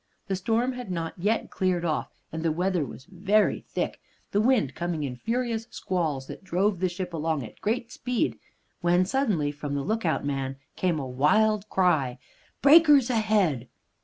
The storm had not yet cleared off, and the weather was very thick, the wind coming in furious squalls that drove the ship along at great speed, when suddenly from the lookout man came a wild cry "Breakers ahead!"